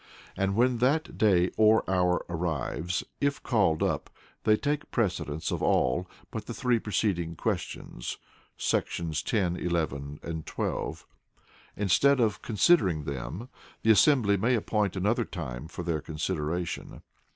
And when that day or hour arrives, if called up, they take precedence of all but the three preceding questions [§§ 10, 11, 12]. Instead of considering them, the assembly may appoint another time for their consideration.